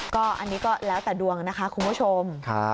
ก็อันนี้ก็แล้วแต่ดวงนะคะคุณผู้ชม